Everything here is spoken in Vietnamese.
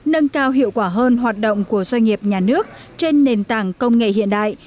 nâng cao hiệu quả hơn hoạt động của doanh nghiệp nhà nước trên nền tảng công nghệ hiện đại